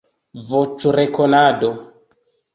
Voĉrekonado